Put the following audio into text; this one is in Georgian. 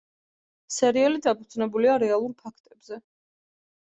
სერიალი დაფუძნებულია რეალურ ფაქტებზე.